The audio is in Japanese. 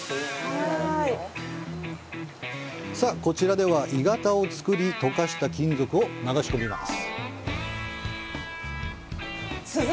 こちらでは鋳型を作り、溶かした金属を流し込みます。